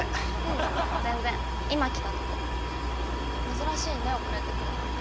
珍しいね遅れてくるなんて。